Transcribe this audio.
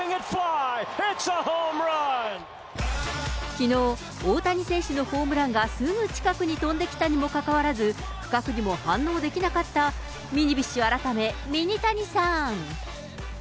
きのう、大谷選手のホームランがすぐ近くに飛んできたにもかかわらず、不覚にも反応できなかったミニビッシュ改め、ミニタニさん。